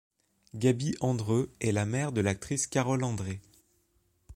Gaby Andreu est la mère de l'actrice Carole André.